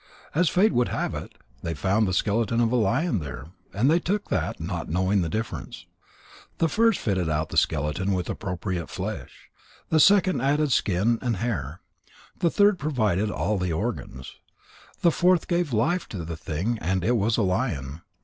As fate would have it, they found the skeleton of a lion there. And they took that, not knowing the difference. The first fitted out the skeleton with appropriate flesh. The second added the skin and hair. The third provided all the organs. The fourth gave life to the thing, and it was a lion.